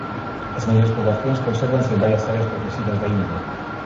As maiores poboacións consérvanse en varias áreas protexidas da India.